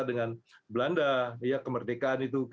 dengan belanda kemerdekaan itu